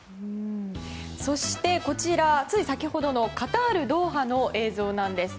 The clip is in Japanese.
そして、こちらつい先ほどのカタール・ドーハの映像なんです。